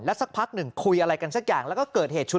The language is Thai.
สักพักหนึ่งคุยอะไรกันสักอย่างแล้วก็เกิดเหตุชุด